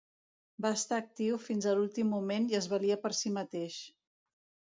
Va estar actiu fins a l'últim moment i es valia per si mateix.